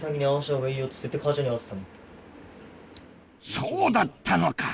そうだったのか！